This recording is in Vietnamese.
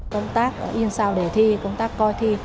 công tác yên sao để thi công tác coi thi